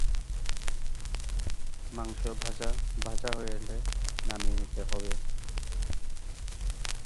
মাংস ভাজা ভাজা হয়ে এলে নামিয়ে নিতে হবে।